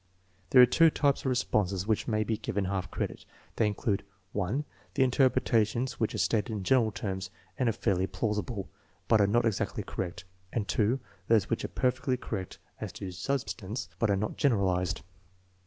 There are two types of response which may be given half credit. They include (1) the interpretations which are stated in general terms and are fairly plausible, but are not exactly correct; and () those which are perfectly correct as to substance, but are not generalized.